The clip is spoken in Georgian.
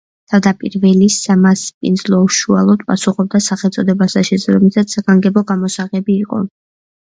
თავდაპირველი სამასპინძლო უშუალოდ პასუხობდა სახელწოდებას და, შესაბამისად საგანგებო გამოსაღები იყო.